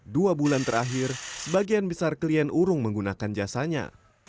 dua bulan terakhir sebagian besar klien urung menggunakan jasanya